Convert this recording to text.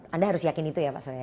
anda harus yakin itu ya pak soleh